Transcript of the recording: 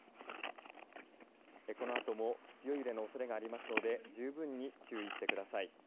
このあとも強い揺れのおそれがありますので十分に注意してください。